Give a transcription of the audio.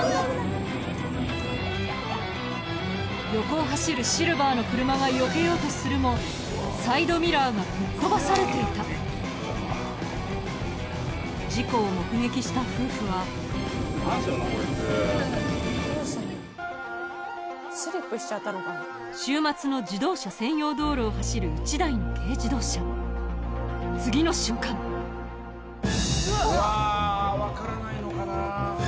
・横を走るシルバーの車がよけようとするもサイドミラーが吹っ飛ばされていた事故を目撃した夫婦は週末の自動車専用道路を走る１台の軽自動車次の瞬間うわ分からないのかな。